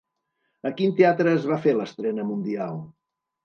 A quin teatre es va fer l'estrena mundial?